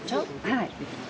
はい。